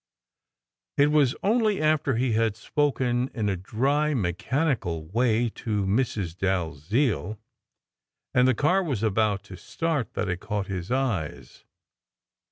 It was only after he had spoken in a dry, mechanical way to Mrs. Dalziel, and the car was about to start, that I caught his eyes.